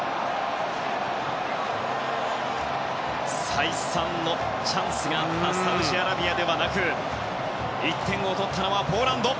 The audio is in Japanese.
再三のチャンスがあったサウジアラビアではなく１点を取ったのはポーランド。